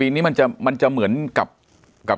ที่เจอโควิดมาหรือว่ามันจะเป็นอะไรที่มัน